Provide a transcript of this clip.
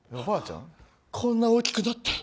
こんな大きくなって。